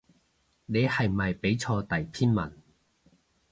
你係咪畀錯第篇文